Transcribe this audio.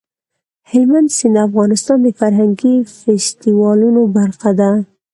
هلمند سیند د افغانستان د فرهنګي فستیوالونو برخه ده.